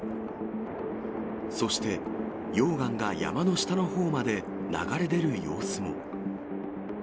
そして溶岩が山の下のほうまで流れ出る様子も。